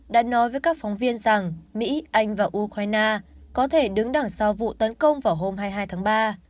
đã nói với các phóng viên rằng mỹ anh và ukraine có thể đứng đằng sau vụ tấn công vào hôm hai mươi hai tháng ba